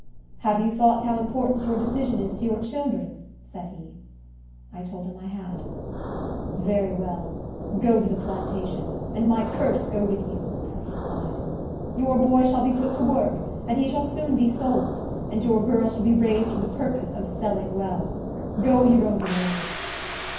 "Have you thought how important your decision is to your children?" said he. I told him I had. "Very well. Go to the plantation, and my curse go with you," he replied. "Your boy shall be put to work, and he shall soon be sold; and your girl shall be raised for the purpose of selling well. Go your own ways!"